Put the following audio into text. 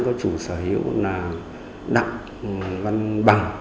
có chủ sở hữu là đặng văn bằng